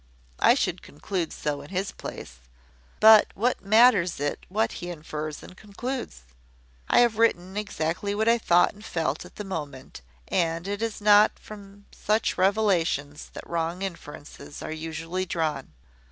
I should conclude so in his place. But what matters it what he infers and concludes? I have written exactly what I thought and felt at the moment, and it is not from such revelations that wrong inferences are usually drawn.